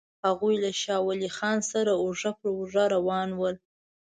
هغوی له شاه ولي خان سره اوږه پر اوږه روان ول.